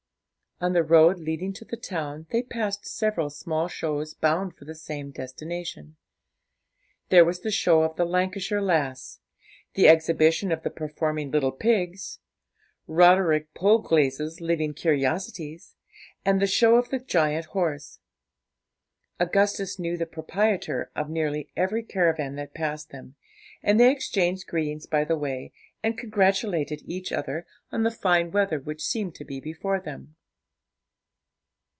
On the road leading to the town they passed several small shows bound for the same destination. There was the show of 'The Lancashire Lass,''The Exhibition of the Performing Little Pigs,''Roderick Polglaze's Living Curiosities,' and 'The Show of the Giant Horse.' Augustus knew the proprietor of nearly every caravan that passed them, and they exchanged greetings by the way, and congratulated each other on the fine weather which seemed to be before them.